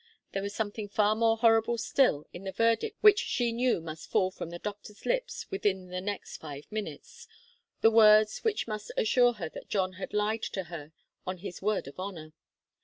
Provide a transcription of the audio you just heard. There was something far more horrible still in the verdict which she knew must fall from the doctor's lips within the next five minutes the words which must assure her that John had lied to her on his word of honour.